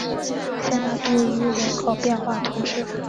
谢讷杜伊人口变化图示